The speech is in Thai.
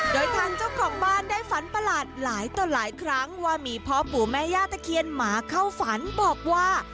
โดยทางเจ้าของบ้านได้ฝันประหลาดหลายต่อหลายครั้งว่ามีพ่อปู่แม่ย่าตะเคียนหมาเข้าฝันบอกว่า